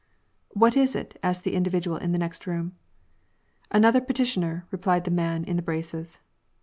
'^ What is it ?" asked the individual in the next room. " Another petitioner,'^ replied the man in the braces.